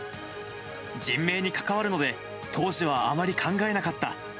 人命に関わるので、当時はあまり考えなかった。